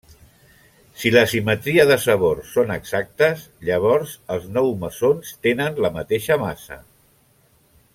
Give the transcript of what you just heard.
Si la simetria de sabor són exactes, llavors els nou mesons tenen la mateixa massa.